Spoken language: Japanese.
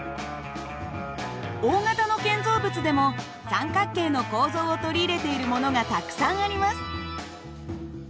大型の建造物でも三角形の構造を取り入れているものがたくさんあります。